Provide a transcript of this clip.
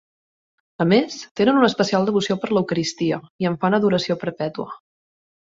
A més, tenen una especial devoció per l'Eucaristia, i en fan adoració perpètua.